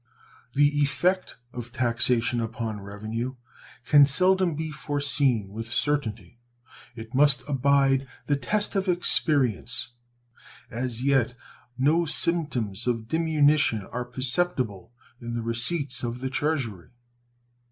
The effect of taxation upon revenue can seldom be foreseen with certainty. It must abide the test of experience. As yet no symptoms of diminution are perceptible in the receipts of the Treasury.